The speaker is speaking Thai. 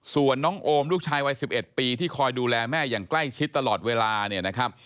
ส่วนน้องโอมลูกชายวัย๑๑ปีที่คอยดูแลแม่อย่างใกล้ชิดตลอดเวลาเนี่ยนะครับ